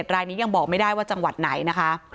รายนี้ยังบอกไม่ได้ว่าจังหวัดไหนนะคะ